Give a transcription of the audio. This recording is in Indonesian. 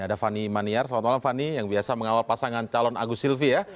ada fani maniar selamat malam fani yang biasa mengawal pasangan calon agus silvi ya